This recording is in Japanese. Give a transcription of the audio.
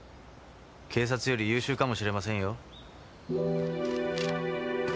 警察より優秀かもしれませんよ。